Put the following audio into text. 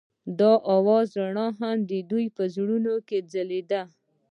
د اواز رڼا هم د دوی په زړونو کې ځلېده.